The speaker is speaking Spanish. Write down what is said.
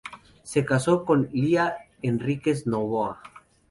Se casó con Lía Henríquez Novoa.